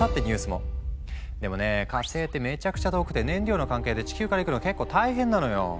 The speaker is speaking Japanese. でもね火星ってめちゃくちゃ遠くて燃料の関係で地球から行くの結構大変なのよ。